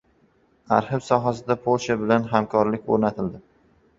Arxiv sohasida Polsha bilan hamkorlik o‘rnatildi